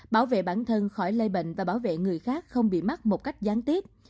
bảo vệ bản thân khỏi lây bệnh và bảo vệ người khác không bị mắc một cách gián tiếp